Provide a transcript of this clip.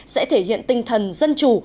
sẽ thể hiện tinh thần dân chủ